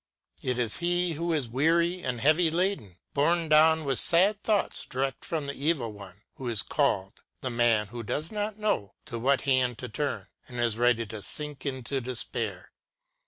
It is he who is weary and heavy laden, borne down with sad thoughts direct from the Evil One, who is called, — the man who does not know to what hand to turn, and is ready to sink into despair.